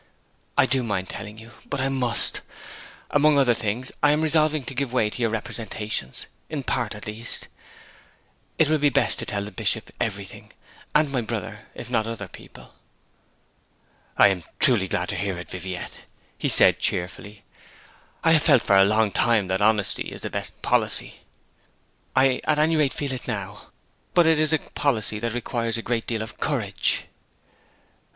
'I do mind telling you. But I must. Among other things I am resolving to give way to your representations, in part, at least. It will be best to tell the Bishop everything, and my brother, if not other people.' 'I am truly glad to hear it, Viviette,' said he cheerfully. 'I have felt for a long time that honesty is the best policy.' 'I at any rate feel it now. But it is a policy that requires a great deal of courage!'